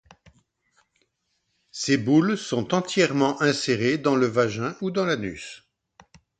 Ces boules sont entièrement insérées dans le vagin ou dans l'anus.